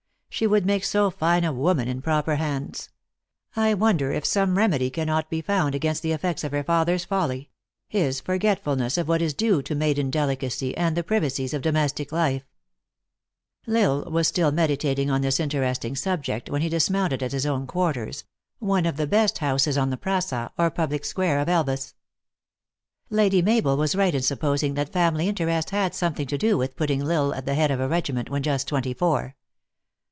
She would make so fine a woman in proper hands ! I wonder if some remedy cannot be found against the effects of her father s folly his forgetfulness of what is due to maiden delicacy and the privacies of domes tic life !" L Isle was still meditating on this interesting sub ject when he dismounted at his own quarters, one of the best houses on the praqa^ or public square of El vas. Lady Mabel was right in supposing that family in THE ACTRESS IN HIGH LIFE. 45 terest had something to do with putting L Isle at the head of a regiment when just twenty four.